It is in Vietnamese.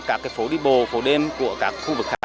cả cái phố đi bộ phố đêm của các khu vực khác